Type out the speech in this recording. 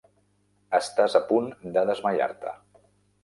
Estàs a punt de desmaiar-te.